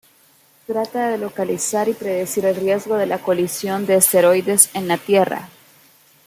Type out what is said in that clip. Trata de localizar y predecir el riesgo de colisión de asteroides con la Tierra.